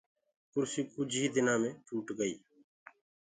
ڪُرسيٚ ڪجھُ ڏيآ مي هي ٽوٽ گئي۔